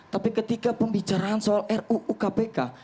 tapi ketika pembicaraan soal ruu kpk